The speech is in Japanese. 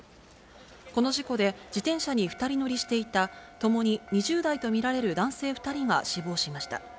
この事故で、自転車に２人乗りしていたともに２０代と見られる男性２人が死亡しました。